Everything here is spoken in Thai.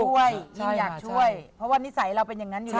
ยิ่งอยากช่วยเพราะว่านิสัยเราเป็นอย่างนั้นอยู่แล้ว